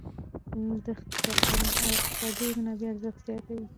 دښتې د اقتصادي منابعو ارزښت زیاتوي.